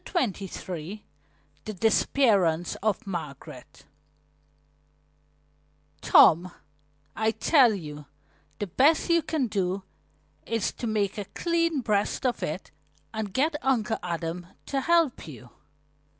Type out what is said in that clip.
CHAPTER XXIII THE DISAPPEARANCE OF MARGARET "Tom, I tell you the best you can do is to make a clean breast of it and get Uncle Adam to help you."